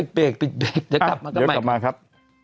เดี๋ยวกลับมาครับ